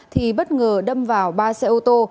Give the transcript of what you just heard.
thì bất ngờ đâm vào ba xe ô tô